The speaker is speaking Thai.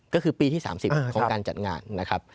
ก็คือปีที่๓๐ของการจัดงานนะครับ